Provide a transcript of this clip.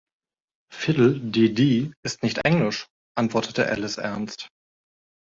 „Fiddle-de-dee ist nicht englisch,“ antwortete Alice ernst.